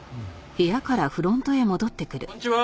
こんにちは。